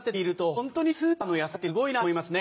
ホントにスーパーの野菜ってすごいなと思いますね。